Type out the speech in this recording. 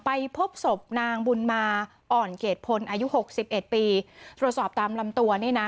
ไปพบศพนางบุญมาอ่อนเกรดพลอายุหกสิบเอ็ดปีตรวจสอบตามลำตัวนี่นะ